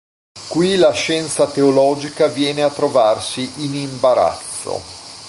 Qui la scienza teologica viene a trovarsi in imbarazzo.